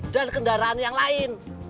dan kendaraan yang lain